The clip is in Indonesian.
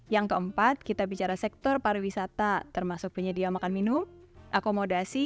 yang keempat kita bicara sektor pariwisata termasuk penyedia makan minum akomodasi